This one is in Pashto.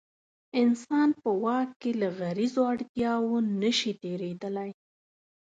انسان په واک کې له غریزو اړتیاوو نه شي تېرېدلی.